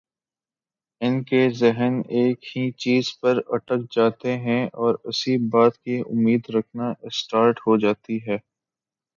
ان کے ذہن ایک ہی چیز پر اٹک جاتے ہیں اور اسی بات کی امید رکھنا اسٹارٹ ہو جاتی ہیں